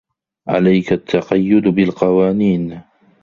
عليك التقيد بالقوانين.